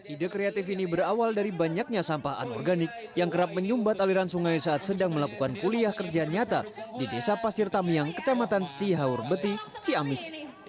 ide kreatif ini berawal dari banyaknya sampah anorganik yang kerap menyumbat aliran sungai saat sedang melakukan kuliah kerja nyata di desa pasir tamiang kecamatan cihaur beti ciamis